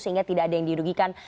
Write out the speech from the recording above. sehingga tidak ada yang dirugikan